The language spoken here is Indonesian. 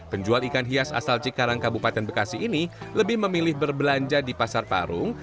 penjual ikan hias asal cikarang kabupaten bekasi ini lebih memilih berbelanja di pasar parung